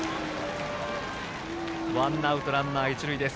ワンアウトランナー、一塁です。